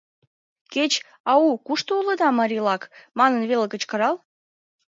Кеч «Ау-у, кушто улыда, марийлак?» манын веле кычкырал».